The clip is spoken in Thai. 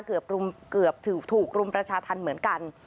เกือบถูกรุมประชาธรรมเหมือนกัน